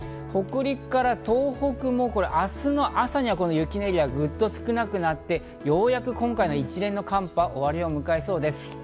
北陸から東北も明日の朝には雪のエリアがぐっと少なくなってようやく今回の一連の寒波が終わりを迎えそうです。